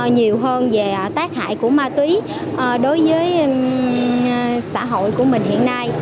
nhiều hơn về tác hại của ma túy đối với xã hội của mình hiện nay